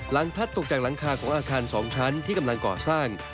พลัดตกจากหลังคาของอาคาร๒ชั้นที่กำลังก่อสร้าง